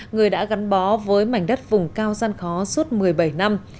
người đã gắn bó với mảnh đất vùng cao gian khó suốt một mươi bảy năm